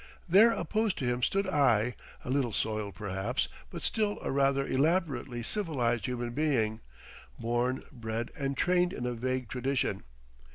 There opposed to him stood I, a little soiled, perhaps, but still a rather elaborately civilised human being, born, bred and trained in a vague tradition.